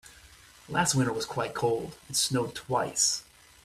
Last winter was quite cold, it snowed twice.